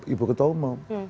ibu ketua umum